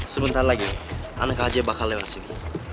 sebentar lagi anak kj bakal lewat sini